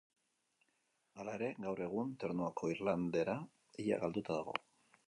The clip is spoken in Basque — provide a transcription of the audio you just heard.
Hala ere, gaur egun Ternuako irlandera ia galduta dago.